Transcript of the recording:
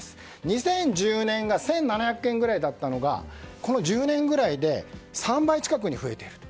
２０１０年が１７００件くらいだったのがこの１０年ぐらいで３倍近くに増えてると。